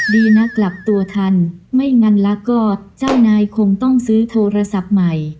ดีนะกลับตัวทันไม่งั้นแล้วก็เจ้านายคงต้องซื้อโทรศัพท์ใหม่